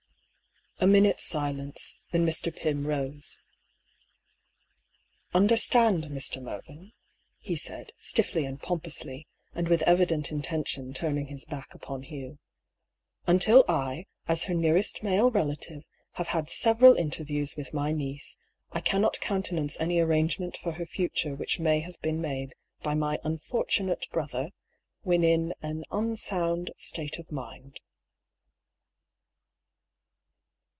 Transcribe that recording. A minute's silence, then Mr. Pym rose. "Understand, Mr. Mervyn," he said, stiffly and pompously, and with evident intention turning his back upon Hugh, "until I, as her nearest male relative, have had several interviews with my niece, I cannot countenance any arrangement for her future which may have been made by my unfortunate brother when in an unsound state of mind."